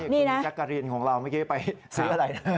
นี่คุณจักรีนของเราเมื่อกี้ไปซื้ออะไร